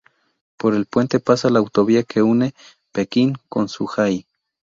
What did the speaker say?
Por el puente pasa la autovía que une Pekín con Zhuhai.